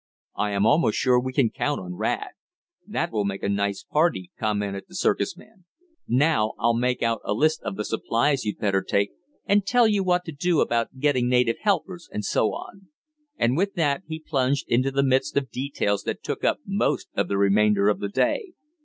I am almost sure we can count on Rad." "That will make a nice party," commented the circus man. "Now I'll make out a list of the supplies you'd better take, and tell you what to do about getting native helpers, and so on," and with that he plunged into the midst of details that took up most of the remainder of the day.